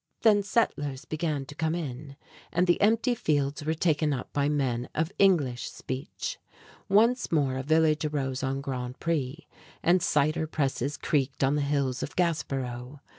Then settlers began to come in, and the empty fields were taken up by men of English speech. Once more a village arose on Grand Pré, and cider presses creaked on the hills of Gaspereau.